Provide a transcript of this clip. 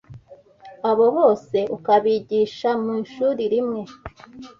abo bose ukabigisha mu ishuri rimwe